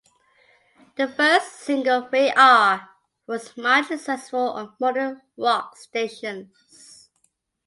The first single, "We Are", was mildly successful on Modern Rock stations.